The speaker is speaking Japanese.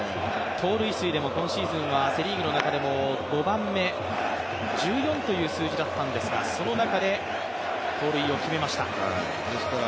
盗塁数でも今シーズンではセ・リーグの中でも５番目、１４という数字だったんですがその中で盗塁を決めました。